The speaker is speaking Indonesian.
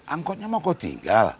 angkotnya mau kau tinggal